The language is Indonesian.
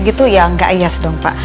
gitu ya gak ias dong pak